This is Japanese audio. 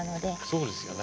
そうですよね。